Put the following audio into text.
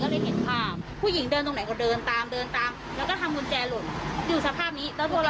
เขากล้องเก็บมุแปปปุ๊บเหมือนถ่ายได้เลยเรื่องนี้ทำเป็นปีแล้วผู้หญิงมีใครที่บัด